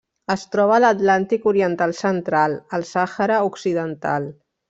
Es troba a l'Atlàntic oriental central: el Sàhara Occidental.